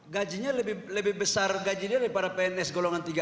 gajinya lebih besar gaji dia daripada pns golongan tiga a